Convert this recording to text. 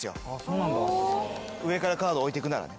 上からカード置いてくならね。